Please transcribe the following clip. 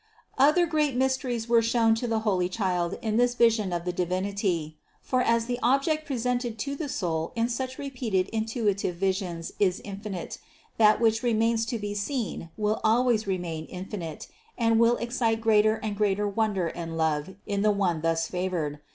432. Other great mysteries were shown to the holy Child in this vision of the Divinity, for, as the object presented to the soul in such repeated intuitive visions is infinite, that which remains to be seen will always re main infinite and will excite greater and greater wonder and love in the one thus favored.